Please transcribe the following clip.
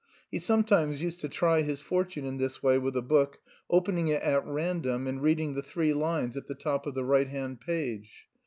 (He sometimes used to try his fortune in this way with a book, opening it at random and reading the three lines at the top of the right hand page.)